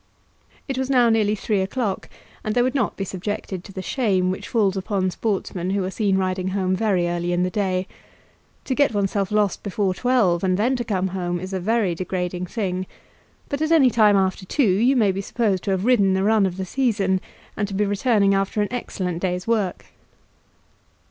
It was now nearly three o'clock, and they would not be subjected to the shame which falls upon sportsmen who are seen riding home very early in the day. To get oneself lost before twelve, and then to come home, is a very degrading thing; but at any time after two you may be supposed to have ridden the run of the season, and to be returning after an excellent day's work.